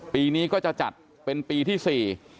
ปีนี้ก็จะจัดเป็นปีที่สี่